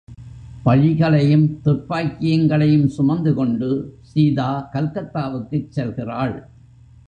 பழிகளையும் துர்ப்பாக்கியங்களையும் சுமந்து கொண்டு சீதா கல்கத்தாவுக்குச் செல்கிறாள்.